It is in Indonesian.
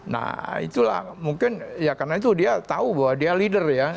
nah itulah mungkin ya karena itu dia tahu bahwa dia leader ya